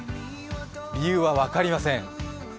理由は分かりません。